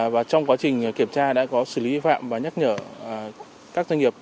và trong quá trình kiểm tra đã có xử lý vi phạm và nhắc nhở các doanh nghiệp